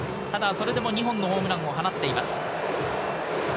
それでも２本のホームランを放っています。